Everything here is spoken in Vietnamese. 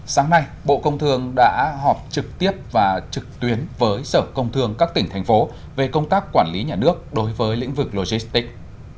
sáng nay bộ công thương đã họp trực tiếp và trực tuyến với sở công thương các tỉnh thành phố về công tác quản lý nhà nước đối với lĩnh vực logistics